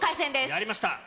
やりました。